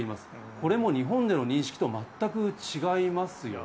これも日本での認識と全く違いますよね。